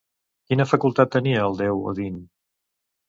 Quina facultat tenia el déu Odin?